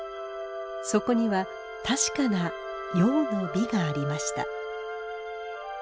そこには確かな「用の美」がありました。